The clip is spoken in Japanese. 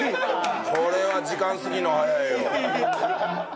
これは時間過ぎるの早いよ。